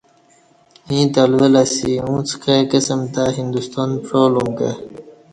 ییں تلول اسی اُݩڅ کائی قسم تہ ہندستان پعالُومہ کہ